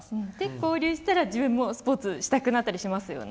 交流したら自分もスポーツしたくなりますよね。